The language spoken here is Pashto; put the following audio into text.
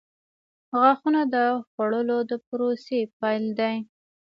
• غاښونه د خوړلو د پروسې پیل دی.